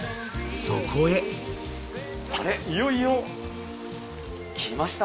そこへいよいよきました